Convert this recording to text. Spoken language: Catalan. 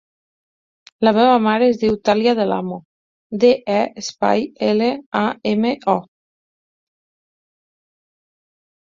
La meva mare es diu Thàlia De Lamo: de, e, espai, ela, a, ema, o.